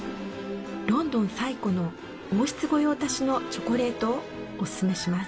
ロンドン最古の王室御用達のチョコレートをおススメします。